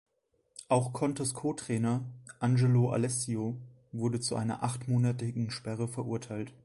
Auch Contes Co-Trainer Angelo Alessio wurde zu einer achtmonatigen Sperre verurteilt.